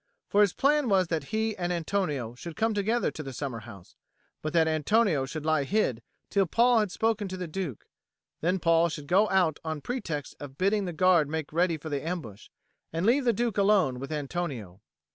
For his plan was that he and Antonio should come together to the summer house, but that Antonio should lie hid till Paul had spoken to the Duke; then Paul should go out on pretext of bidding the guard make ready the ambush, and leave the Duke alone with Antonio.